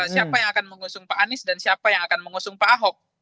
siapa yang akan mengusung pak anies dan siapa yang akan mengusung pak ahok